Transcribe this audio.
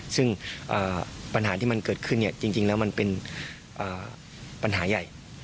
ซึ่งปัญหาที่มันเกิดขึ้นจริงแล้วมันเป็นปัญหาใหญ่